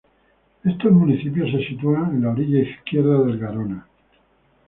Estos municipios se sitúan en la orilla izquierda del Garona.